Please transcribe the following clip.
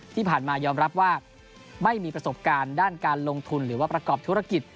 ที่ผ่านมายอมรับว่าไม่มีประสบการณ์ด้านการลงทุนหรือว่าประกอบธุรกิจ